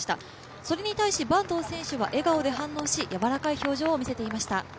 それに対し、坂東選手は笑顔で反応し、やわらかい表情を見せていました。